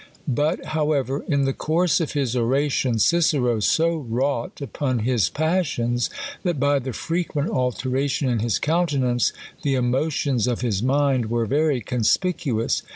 But, however, in the course 6f his oration, Cicero so wrought upon his passions, that by the frequent altera tion in his countenance, the emotions of his mind were very conspicuous.